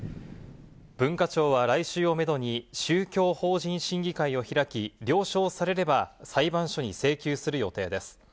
文化庁は来週をメドに宗教法人審議会を開き、了承されれば、裁判所に請求する予定です。